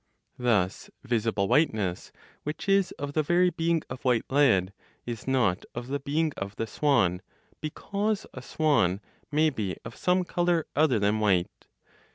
Thus visible whiteness, which is of the very being of white lead, is not of the being of the swan, because a swan may be of some color other than white.